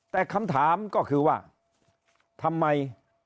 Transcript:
แต่คำถามก็คือว่าทำไม